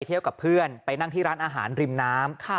เที่ยวกับเพื่อนไปนั่งที่ร้านอาหารริมน้ำ